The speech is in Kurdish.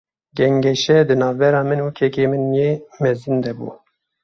Gengeşe, di navbera min û kekê min yê mezin de bû